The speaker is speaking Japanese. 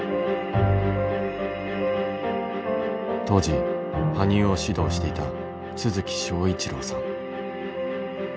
当時羽生を指導していた都築章一郎さん。